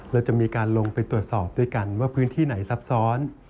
เราจะมีการลงไปตรวจสอบด้วยกันว่าพื้นที่ไหนซับซ้อน